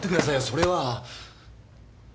それは。